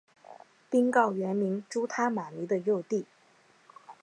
宾告原名朱他玛尼的幼弟。